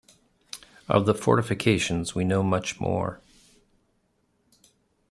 Of the fortifications we know much more.